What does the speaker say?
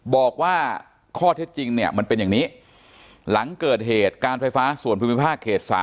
บอกว่าข้อเท็จจริงเนี่ยมันเป็นอย่างนี้หลังเกิดเหตุการไฟฟ้าส่วนภูมิภาคเขต๓